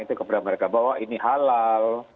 itu kepada mereka bahwa ini halal